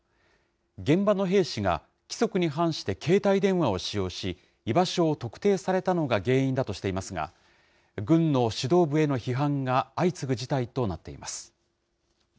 現場の兵士が規則に反して携帯電話を使用し、居場所を特定されたのが原因だとしていますが、軍の指導部への批判が相次ぐ事態となっています。